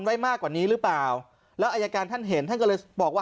ไว้มากกว่านี้หรือเปล่าแล้วอายการท่านเห็นท่านก็เลยบอกว่า